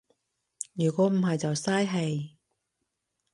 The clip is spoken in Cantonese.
如果唔係就嘥氣